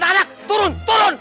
anak anak turun turun